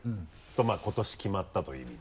今年決まったという意味で。